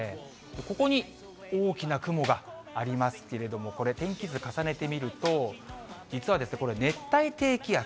ここに大きな雲がありますけれども、これ、天気図重ねてみると、実はこれ、熱帯低気圧。